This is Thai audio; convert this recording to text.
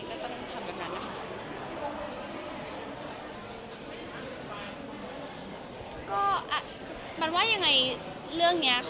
ก็ต้องทำแบบนั้นนะคะ